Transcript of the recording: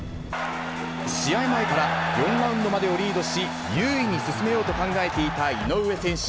試合前から、４ラウンドまでをリードし、優位に進めようと考えていた井上選手。